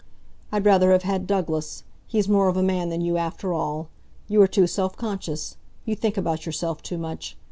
I'd rather have had Douglas. He's more of a man than you, after all. You are too self conscious. You think about yourself too much.